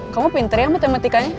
kamu pinter ya matematikanya